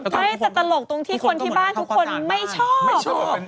ไม่แต่ตลกตรงที่คนที่บ้านทุกคนไม่ชอบ